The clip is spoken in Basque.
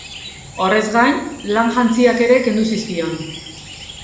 Horrez gain, lan-jantziak ere kendu zizkion.